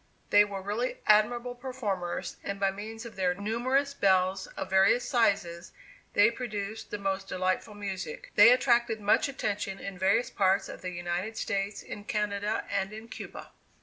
They were really admirable performers, and by means of their numerous bells, of various sizes, they produced the most delightful music. They attracted much attention in various parts of the United States, in Canada, and in Cuba.